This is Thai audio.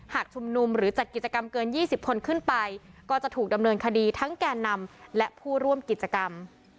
ชุมนุมหรือจัดกิจกรรมเกิน๒๐คนขึ้นไปก็จะถูกดำเนินคดีทั้งแก่นำและผู้ร่วมกิจกรรม